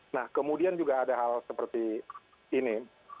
nah kemudian juga ada hal seperti ini